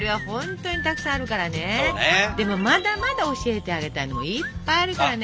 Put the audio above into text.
でもまだまだ教えてあげたいのいっぱいあるからね。